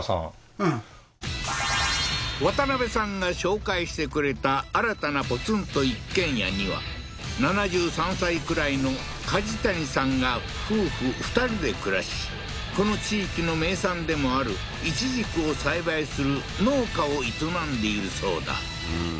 うん渡辺さんが紹介してくれた新たなポツンと一軒家には７３歳くらいのカジタニさんが夫婦２人で暮らしこの地域の名産でもあるいちじくを栽培する農家を営んでいるそうだ